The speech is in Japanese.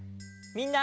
みんな！